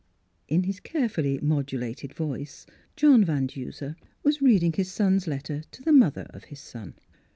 In his carefully modulated voice John Van Duser was reading his son's letter to the mother of his son.